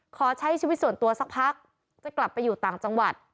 ขอใช้ชีวิตส่วนตัวสักพักจะกลับไปอยู่ต่างจังหวัด